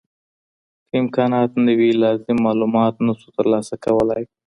که امکانات نه وي لازم معلومات نه شو ترلاسه کولای.